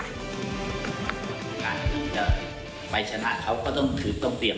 ซึ่งทางสมาคมกีฬาฟุตบอลก็พร้อมที่จะสนุนและอำนวยความสะดวกอย่างต่อเนื่อง